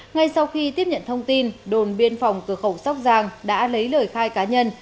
ngay sau khi tiếp nhận thông tin đồn biên phòng cửa khẩu sóc trăng đã lấy lời khai cá nhân